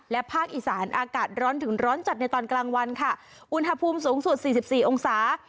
และภาคอีสานอากาศร้อนถึงร้อนจัดในตอนกลางวันค่ะอุณหภูมิสูงสุดสี่สิบสี่องศา